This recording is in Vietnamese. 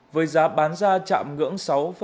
với giá bán ra chạm ngưỡng